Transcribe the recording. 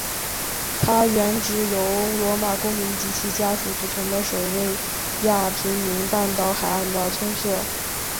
它原指由罗马公民及其家属组成的守卫亚平宁半岛海岸的村社。